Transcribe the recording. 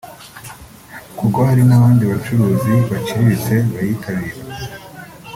kuko hari n’abandi bacuruzi baciriritse bayitabira